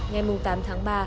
ngày tám tháng ba